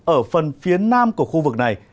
ở phần phía nam của khu vực này